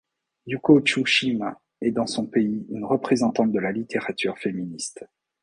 Yūko Tsushima est dans son pays une représentante de la littérature féministe.